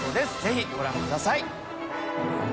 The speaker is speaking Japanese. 爾ご覧ください。